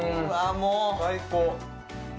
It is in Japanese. もう最高！